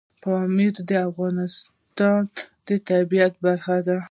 پامیر د افغانستان د طبیعت برخه ده.